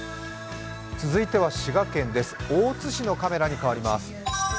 続いては滋賀県大津市のカメラに替わります。